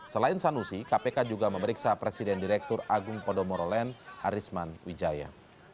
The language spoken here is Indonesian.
selain sanusi kpk juga memeriksa presiden direktur agung podomoro land arisman wijaya